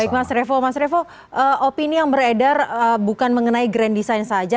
baik mas revo mas revo opini yang beredar bukan mengenai grand design saja